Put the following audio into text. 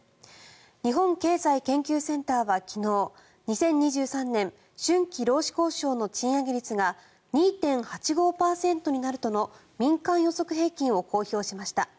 日本経済研究センターは昨日２０２３年春季労使交渉の賃上げ率が２．８５％になるとの民間予測平均を公表しました。